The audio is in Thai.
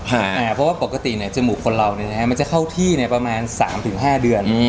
เพราะว่าปกติเนี่ยจมูกคนเราเนี่ยมันจะเข้าที่ในประมาณ๓๕เดือน